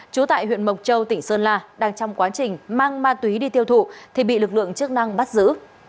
trú tại huyện mộc châu tỉnh sơn la đang trong quá trình mang ma túy đi tiêu thụ thì bị lực lượng chức năng bắt giữ